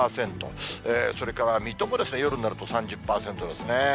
それから水戸も夜になると３０％ですね。